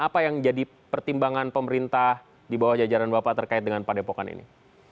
apa yang jadi pertimbangan pemerintah di bawah jajaran bapak terkait dengan padepokan ini